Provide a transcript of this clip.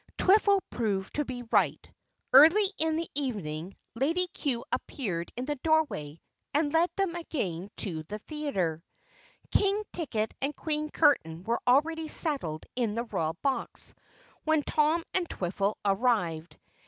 Twiffle proved to be right. Early in the evening Lady Cue appeared in the doorway and led them again to the theater. King Ticket and Queen Curtain were already settled in the Royal Box when Tom and Twiffle arrived.